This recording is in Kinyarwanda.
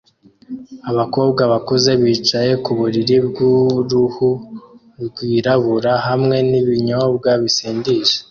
abakobwa bakuze bicaye ku buriri bw'uruhu rwirabura hamwe n'ibinyobwa bisindisha